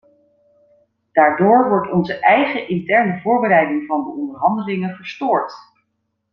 Daardoor wordt onze eigen interne voorbereiding van de onderhandelingen verstoord.